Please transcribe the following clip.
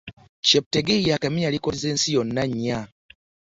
Cheptegei yaakamenya likodi zensi yonna nnya.